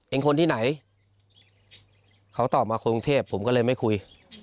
คนที่ไหนเขาตอบมาคนกรุงเทพผมก็เลยไม่คุย